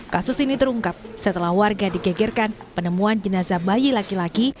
kasus ini terungkap setelah warga digegerkan penemuan jenazah bayi laki laki